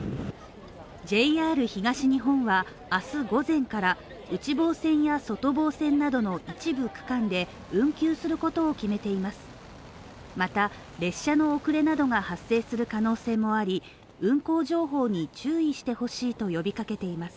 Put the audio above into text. ＪＲ東日本は明日午前から内房線や外房線などの一部区間で運休することを決めています。